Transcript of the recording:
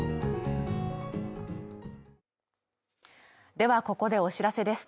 ではここでお知らせです。